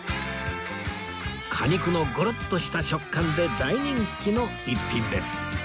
果肉のゴロッとした食感で大人気の一品です